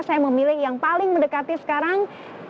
saya memilih yang paling mendekati sekarang dua belas sepuluh